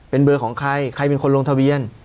เป็นเบอร์ของใครใครเป็นคนลงทะเบียน